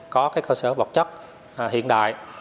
có cơ sở bọc chất hiện đại